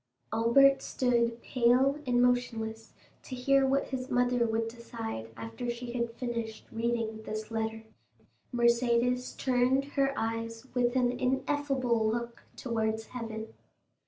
Albert stood pale and motionless to hear what his mother would decide after she had finished reading this letter. Mercédès turned her eyes with an ineffable look towards heaven.